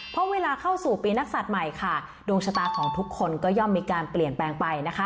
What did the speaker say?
เพราะเวลาเข้าสู่ปีนักศัตริย์ใหม่ค่ะดวงชะตาของทุกคนก็ย่อมมีการเปลี่ยนแปลงไปนะคะ